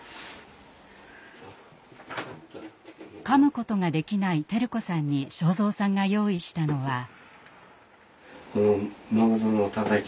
かむことができない輝子さんに昭蔵さんが用意したのは。